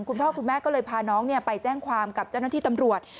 คุณพ่อคุณแม่ก็เลยพาน้องไปแจ้งความกับเจ้าหน้าที่ตำรวจ